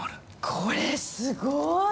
これすごい。